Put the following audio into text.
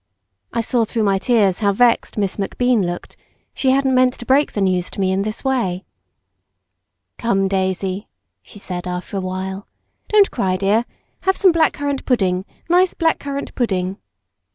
I saw through my tears how vexed Miss MacBean looked; she hadn't meant to break the news to me in this way. "Come, Daisy," she said after a while "Don't cry, dear. Have some black currant pudding—nice black currant pudding."